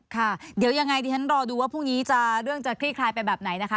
ค่ะเดี๋ยวยังไงดิฉันรอดูว่าพรุ่งนี้เรื่องจะคลี่คลายไปแบบไหนนะคะ